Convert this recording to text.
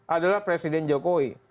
adalah presiden jokowi